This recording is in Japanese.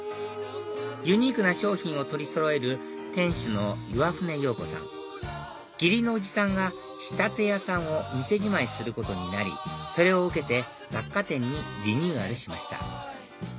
ユニークな商品を取りそろえる店主の岩船洋子さん義理のおじさんが仕立て屋さんを店じまいすることになりそれを受けて雑貨店にリニューアルしました